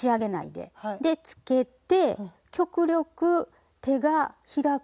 でつけて極力手が開く。